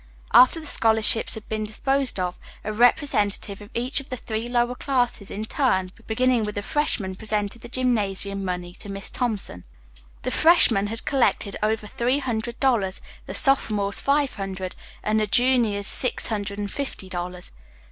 After the scholarships had been disposed of, a representative of each of the three lower classes in turn, beginning with the freshmen, presented the gymnasium money to Miss Thompson. The freshmen had collected over three hundred dollars, the sophomores five hundred and the juniors six hundred and fifty dollars.